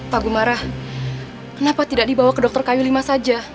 pak gumarah kenapa tidak dibawa ke dokter kayu lima saja